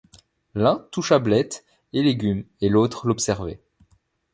«L'un toucha blettes et légumes et l'autre l'observait.